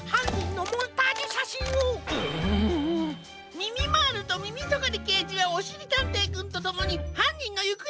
みみまーるとみみとがりけいじはおしりたんていくんとともにはんにんのゆくえをおってくれ！